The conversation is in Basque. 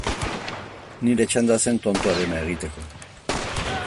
Nire txanda zen tontoarena egiteko.